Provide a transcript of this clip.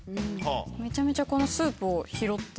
めちゃめちゃこのスープを拾って。